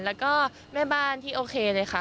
แล้วก็แม่บ้านที่โอเคเลยค่ะ